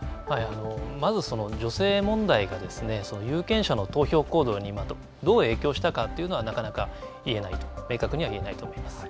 まずその女性問題が有権者の投票行動にどう影響したかというのはなかなか言えないと明確には言えないと思います。